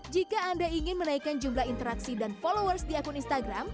jika anda ingin menaikkan jumlah interaksi dan followers di akun instagram